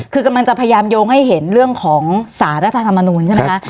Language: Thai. คือกำลังจะพยายามโยงให้เห็นเรื่องของสารรัฐธรรมนูลใช่ไหมคะ